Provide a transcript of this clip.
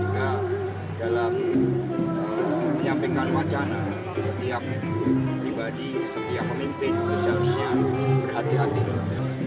nah dalam menyampaikan wacana setiap pribadi setiap pemimpin harusnya berhati hati